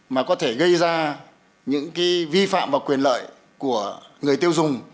mà có thể gây ra những vi phạm và quyền lợi của người tiêu dùng